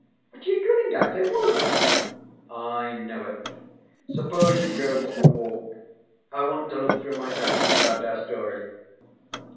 What are you grinning at? They would. ŌĆØ ŌĆ£I know it. Suppose you go for a walk. I want to look through my notes about our story.